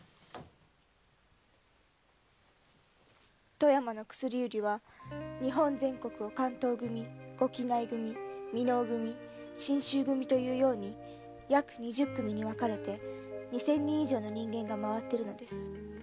富山の薬売りは日本全国を関東組ご畿内組美濃組信州組というように約二十組に分かれて二千人以上の人間がまわっているのです。